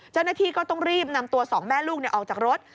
เจ้าหน้าที่ก็ต้องรีบนำตัวสองแม่ลูกออกจากรถ